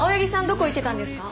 どこ行ってたんですか？